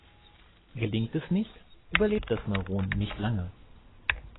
Gelingt es nicht, überlebt das Neuron nicht lange.